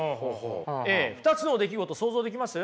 ２つの出来事想像できます？